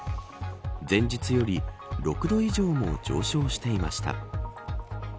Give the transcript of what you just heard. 前日より６度以上も上昇していました。